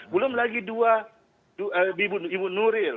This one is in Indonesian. belum lagi dua ibu nuril